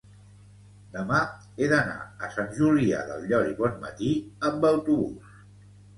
Demà he d'anar a Sant Julià del Llor i Bonmatí amb autobús